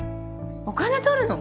お金取るの？